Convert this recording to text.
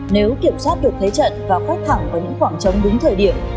nếu kiểm soát được thế trận và quét thẳng vào những khoảng trống đúng thời điểm